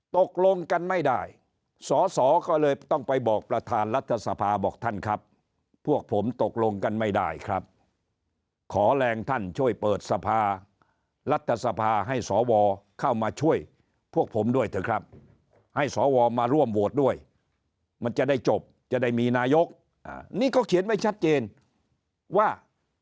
ตกลงกันไม่ได้สอสอก็เลยต้องไปบอกประธานรัฐสภาบอกท่านครับพวกผมตกลงกันไม่ได้ครับขอแรงท่านช่วยเปิดสภารัฐสภาให้สวเข้ามาช่วยพวกผมด้วยเถอะครับให้สวมาร่วมโหวตด้วยมันจะได้จบจะได้มีนายกนี่เขาเขียนไว้ชัดเจนว่า